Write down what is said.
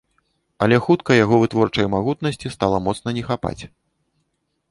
Але хутка яго вытворчай магутнасці стала моцна не хапаць.